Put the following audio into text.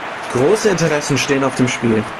Große Interessen stehen auf dem Spiel.